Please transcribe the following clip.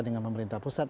dengan pemerintah pusat